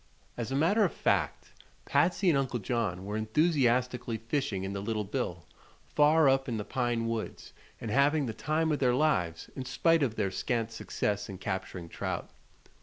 As a matter of fact, Patsy and Uncle John were enthusiastically fishing in the Little Bill, far up in the pine woods, and having "the time of their lives" in spite of their scant success in capturing trout.